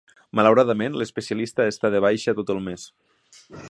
Malauradament, l'especialista està de baixa tot el mes.